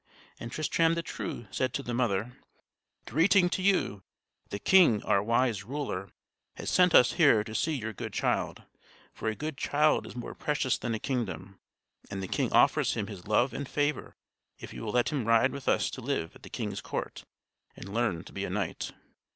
And Tristram the True said to the mother: "Greeting to you! The king, our wise ruler, has sent us here to see your good child; for a good child is more precious than a kingdom. And the king offers him his love and favor if you will let him ride with us to live at the king's court and learn to be a knight."